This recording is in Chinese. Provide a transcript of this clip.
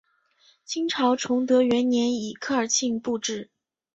清朝崇德元年以科尔沁部置。